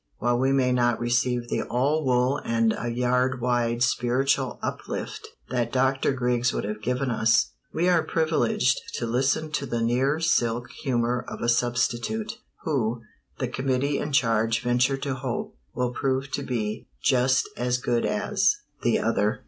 While we may not receive the all wool and a yard wide spiritual uplift that Dr. Griggs would have given us, we are privileged to listen to the near silk humor of a substitute, who, the committee in charge venture to hope, will prove to be just as good as the other.